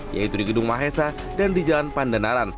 yaitu di gedung mahesa dan di jalan pandanaran